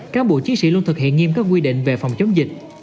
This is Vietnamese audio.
cán bộ chiến sĩ luôn thực hiện nghiêm các quy định về phòng chống dịch